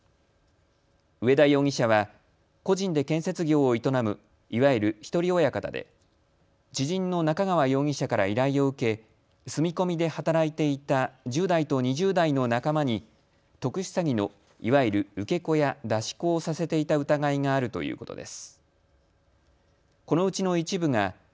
植田容疑者は個人で建設業を営むいわゆる１人親方で、知人の中川容疑者から依頼を受け住み込みで働いていた１０代と２０代の仲間に特殊詐欺のいわゆる受け子や出し子をさせていた疑いがあるということです。